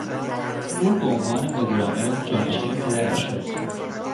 او به عنوان مدیر عامل جانشین پدرش شد.